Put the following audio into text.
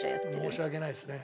申し訳ないですね。